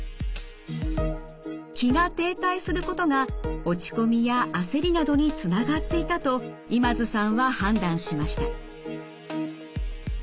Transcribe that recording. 気が停滞することが落ち込みや焦りなどにつながっていたと今津さんは判断しました。